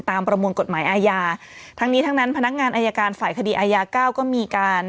ประมวลกฎหมายอาญาทั้งนี้ทั้งนั้นพนักงานอายการฝ่ายคดีอายาเก้าก็มีการ